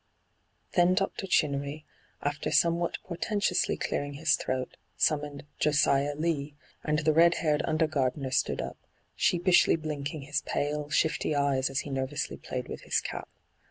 Then Dr. Chinnery, after somewhat por tentously clearing his throat, summoned ' Josiah Lee,' and the red haired under gardener stood up, sheepishly blinking his pale, shifty eyes as he nervously played with his cap.